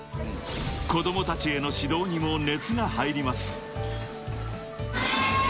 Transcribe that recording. ［子供たちへの指導にも熱が入ります］